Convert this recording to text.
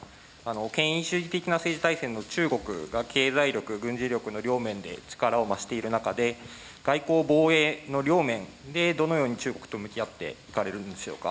権威主義的な政治体制の中国が経済力、軍事力の両面で力を増している中で、外交・防衛の両面でどのように中国と向き合っていかれるんでしょうか。